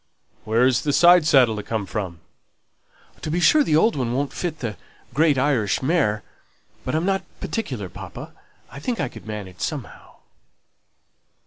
"Where is the side saddle to come from?" "To be sure, the old one won't fit that great Irish mare. But I'm not particular, papa. I think I could manage somehow."